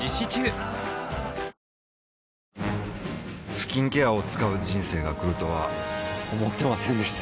スキンケアを使う人生が来るとは思ってませんでした